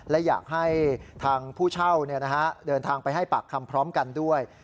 และอยากให้ทางผู้เช่าเดินทางไปให้ปากคำพร้อมกันด้วย